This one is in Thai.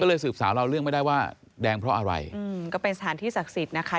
ก็เลยสืบสาวเราเรื่องไม่ได้ว่าแดงเพราะอะไรอืมก็เป็นสถานที่ศักดิ์สิทธิ์นะคะ